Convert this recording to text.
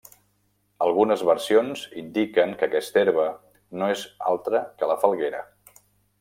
Algunes versions indiquen que aquesta herba no és altra que la falguera.